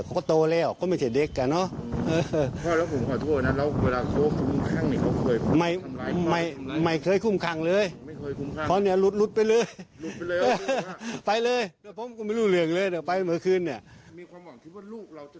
มีความหวังที่ว่าลูกเราจะเลิกจะกลับตัวให้หรอ